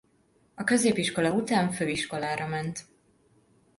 A középiskola után főiskolára ment.